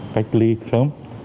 cách ly sớm